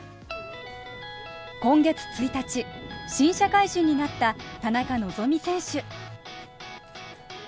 今月１日、新社会人になった田中希実選手。